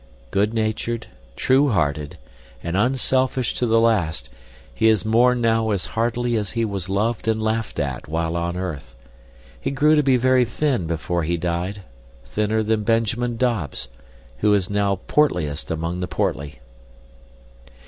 Good natured, true hearted, and unselfish to the last, he is mourned now as heartily as he was loved and laughed at while on earth. He grew to be very thin before he died, thinner than Benjamin Dobbs, who is now portliest among the portly.